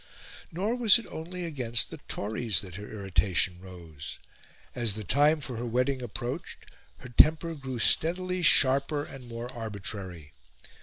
Nor was it only against the Tories that her irritation rose. As the time for her wedding approached, her temper grew steadily sharper and more arbitrary.